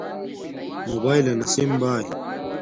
موباݵلنا سم باݵی